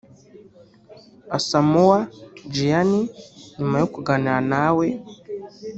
Asamoah Gyan nyuma yo kuganira nawe